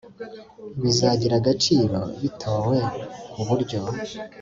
bizagira agaciro bitowe ku buryo